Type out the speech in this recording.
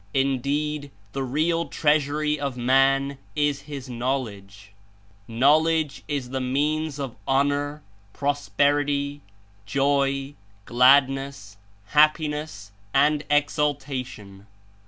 Indeed the real treasury of man Is his knowledge. Know ledge Is the means of honor, prosperity, joy, gladness, happiness and exultation."